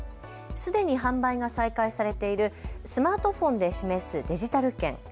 すでに販売が再開されているスマートフォンで示すデジタル券。